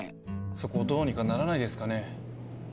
そこをどうにかならないですかね